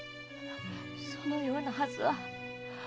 そのようなはずは。